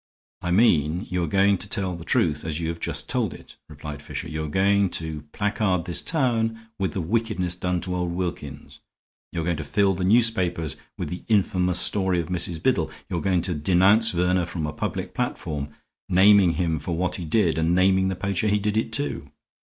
"I mean you are going to tell the truth as you have just told it," replied Fisher. "You are going to placard this town with the wickedness done to old Wilkins. You are going to fill the newspapers with the infamous story of Mrs. Biddle. You are going to denounce Verner from a public platform, naming him for what he did and naming the poacher he did it to.